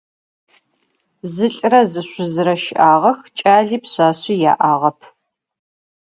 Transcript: Зы лӏырэ зы шъузырэ щыӏагъэх, кӏали пшъашъи яӏагъэп.